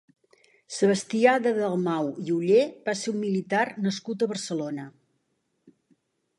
Sebastià de Dalmau i Oller va ser un militar nascut a Barcelona.